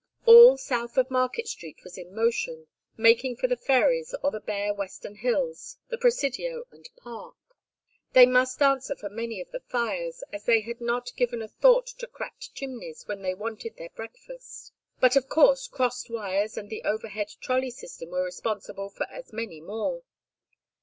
All South of Market Street was in motion, making for the ferries or the bare western hills, the Presidio and Park; they must answer for many of the fires, as they had not given a thought to cracked chimneys when they wanted their breakfast; but of course crossed wires and the overhead trolley system were responsible for as many more.